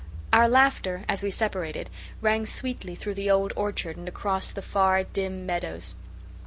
Our laughter, as we separated, rang sweetly through the old orchard and across the far, dim meadows.